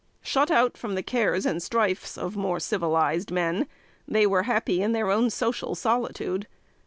Shut out from the cares and strifes of more civilized men, they were happy in their own social solitude.